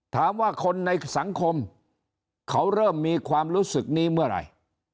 ถามว่าคนในสังคมเขาเริ่มมีความรู้สึกนี้เมื่อไหร่